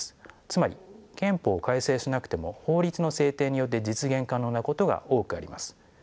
つまり憲法を改正しなくても法律の制定によって実現可能なことが多くあります。